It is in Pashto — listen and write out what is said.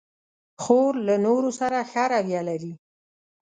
خور له نورو سره ښه رویه لري.